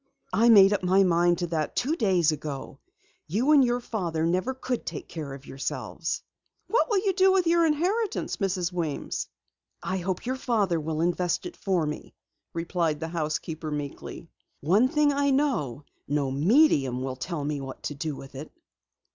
"I made up my mind to that two days ago. You and your father never could take care of yourselves." "What will you do with your inheritance, Mrs. Weems?" "I hope your father will invest it for me," replied the housekeeper meekly. "One thing I know. No medium will tell me what to do with it."